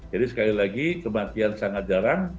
jadi sekali lagi kematian sangat jarang